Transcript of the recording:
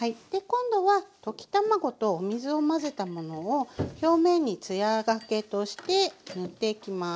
今度は溶き卵とお水を混ぜたものを表面に艶がけとして塗っていきます。